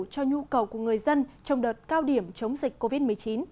cho nhu cầu của người dân trong đợt cao điểm chống dịch covid một mươi chín